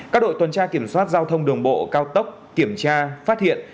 các đội tuần tra kiểm soát giao thông đường bộ cao tốc kiểm tra phát hiện